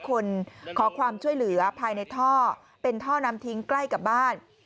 คนขอความช่วยเหลือภายในท่อเป็นท่อน้ำทิ้งใกล้กับบ้าน